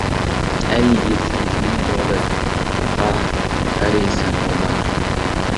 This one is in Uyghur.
ئەي يىگىت سەن كىمنىڭ ئوغلى، ئاھ. پەرى سەن ئويلا!